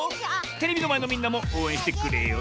テレビのまえのみんなもおうえんしてくれよ